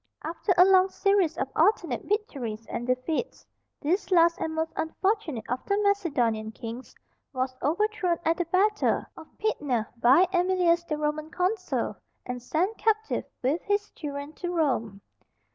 After a long series of alternate victories and defeats, this last and most unfortunate of the Macedonian kings was overthrown at the battle of Pydna by Æmilius, the Roman consul, and sent captive, with his children, to Rome.